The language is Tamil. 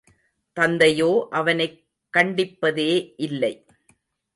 தந்தையோ அவனைக் கண்டிப்பதே இல்லை.